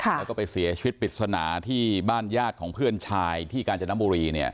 แล้วก็ไปเสียชีวิตปริศนาที่บ้านญาติของเพื่อนชายที่กาญจนบุรี